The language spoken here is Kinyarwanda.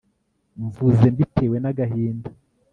Mvuze mbitewe nagahinda